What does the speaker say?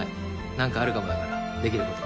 何かあるかもだからできること。